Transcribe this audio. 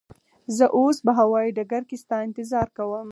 زه اوس به هوایی ډګر کی ستا انتظار کوم.